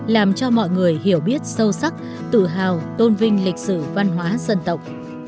làm cho mọi người hiểu biết sâu sắc tự hào tôn vinh lịch sử văn hóa dân tộc